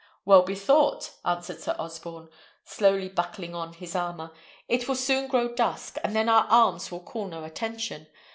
"Well bethought," answered Sir Osborne, slowly buckling on his armour. "It will soon grow dusk, and then our arms will call no attention.